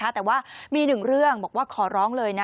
แต่ว่ามีหนึ่งเรื่องบอกว่าขอร้องเลยนะ